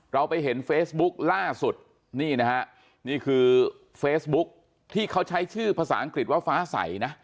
เราไปเห็นเฟซบุ๊กล่าสุดนี่นะฮะนี่คือเฟซบุ๊คที่เขาใช้ชื่อภาษาอังกฤษว่าฟ้าใสนะ